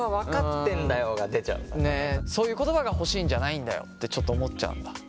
そういう言葉が欲しいんじゃないんだよってちょっと思っちゃうんだ。